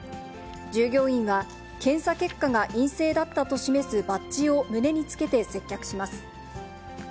従業員は検査結果が陰性だったと示すバッジを胸につけて接客します。